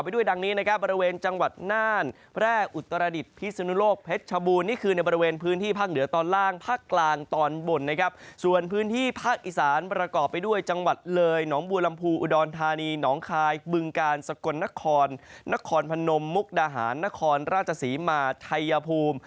ด้วยจังหวัดเลยหนองบูรมภูอุดรธานีหนองคายบึงกาลสกลนครนครพนมมุกดาหารนครราชสีมาไทยพูม